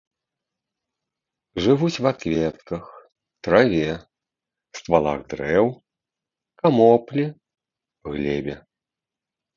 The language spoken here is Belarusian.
Жывуць ва кветках, траве, ствалах дрэў, камоплі, глебе.